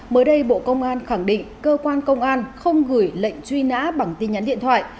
mới đây bộ công an khẳng định cơ quan công an không gửi lệnh truy nã bằng tin nhắn điện thoại